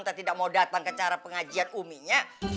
teh tidak mau datang ke cara pengajian umi nya